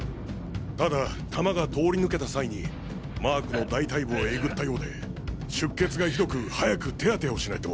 ただ弾が通り抜けた際にマークの大腿部をえぐったようで出血がひどく早く手当てをしないと。